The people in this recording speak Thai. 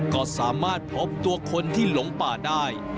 ก็สามารถพบตัวคนที่หลงป่าได้